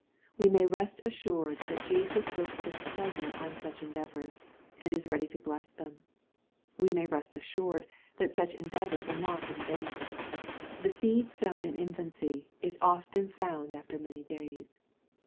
We may rest as sured that Jesus looks with pleasure on such endeavors, and is ready to bless them. We may rest assured that such endeavors are not in vain. The seed sown in MATTHEW, CHAP. XIX. 237 infancy, is often found after many days.